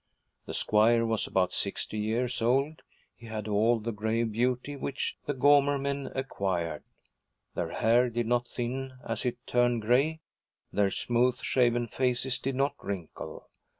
The squire was about sixty years old; he had all the grave beauty which the Gaumer men acquired. Their hair did not thin as it turned gray, their smooth shaven faces did not wrinkle.